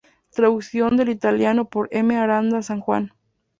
Traducción del italiano por M. Aranda Sanjuán.